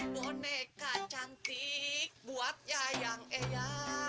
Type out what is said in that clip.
boneka cantik buat yayang ea